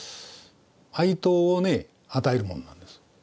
愛刀をね与えるものなんです。